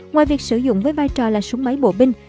ngoài việc sử dụng với vai trò là súng máy bộ binh